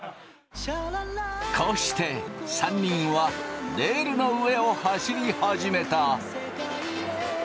こうして３人はレールの上を走り始めた。